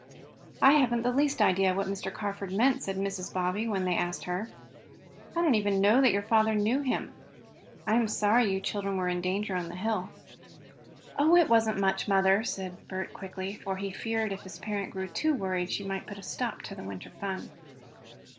"I haven't the least idea what Mr. Carford meant," said Mrs. Bobbsey, when they had asked her. "I did not even know that your father knew him. I am sorry you children were in danger on the hill." "Oh, it wasn't much, mother," said Bert quickly, for he feared if his parent grew too worried she might put a stop to the winter fun.